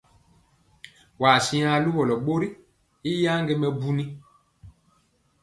Waa siŋa luwɔlɔ ɓori i yaŋge mɛbun?